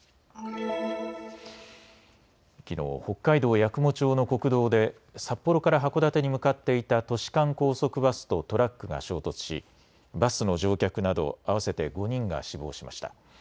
きのう北海道八雲町の国道で札幌から函館に向かっていた都市間高速バスとトラックが衝突しバスの乗客など合わせて５人が死亡しました。